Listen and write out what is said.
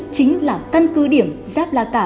chính là căn cư điểm giáp la cả